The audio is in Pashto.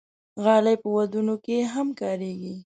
غالۍ په ودونو کې هم کارېږي.